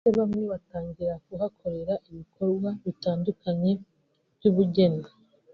ndetse bamwe batangira kuhakorera ibikorwa bitandukanye by’ubugeni